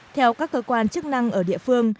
theo các cơ quan chức năng ở địa phương